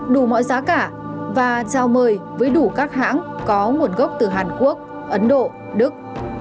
đủ mọi giá cả và trao mời với đủ các hãng có nguồn gốc từ hàn quốc ấn độ đức